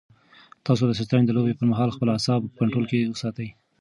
تاسو د شطرنج د لوبې پر مهال خپل اعصاب په کنټرول کې وساتئ.